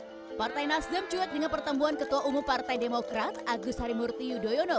hai partai nasdem cuek dengan pertemuan ketua umum partai demokrat agus harimurti yudhoyono